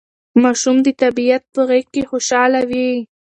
ماشومان د طبیعت په غېږ کې خوشاله وي.